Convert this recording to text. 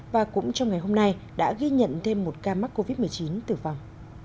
và cũng trong ngày hôm nay đã ghi nhận thêm một ca mắc covid một mươi chín tử vong